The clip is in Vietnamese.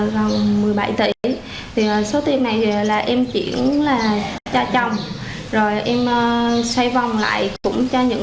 rồi một phần dư là em sử dụng cho việc cá nhân